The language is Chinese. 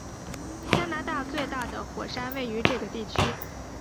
加拿大最大的火山位于这个地区。